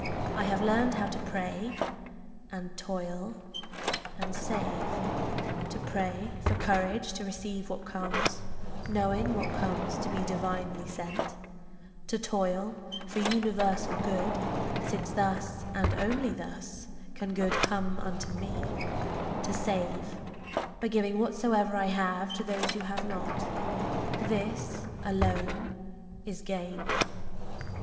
I have learned how to pray, and toil, and save: To pray for courage to receive what comes, Knowing what comes to be divinely sent; To toil for universal good, since thus And only thus can good come unto me; To save, by giving whatsoe'er I have To those who have not—this alone is gain.